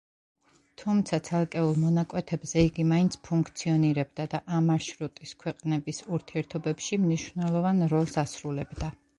თუმცა ცალკეულ მონაკვეთებზე იგი მაინც ფუნქციონირებდა და ამ მარშრუტის ქვეყნების ურთიერთობებში მნიშვნელოვან როლს ასრულებდა.